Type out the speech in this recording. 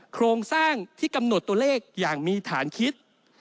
โครงสร้างที่กำหนดตัวเลขอย่างมีฐานคิด